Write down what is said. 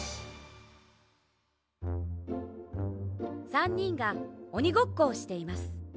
３にんがおにごっこをしています